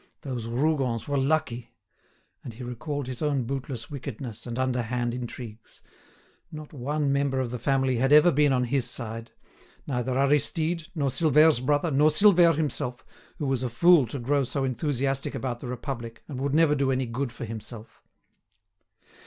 Those Rougons were lucky! And he recalled his own bootless wickedness and underhand intrigues. Not one member of the family had ever been on his side; neither Aristide, nor Silvère's brother, nor Silvère himself, who was a fool to grow so enthusiastic about the Republic and would never do any good for himself.